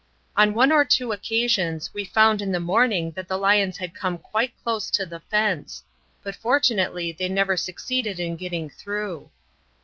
On one or two occasions, we found in the morning that the lions had come quite close to the fence; but fortunately they never succeeded in getting through.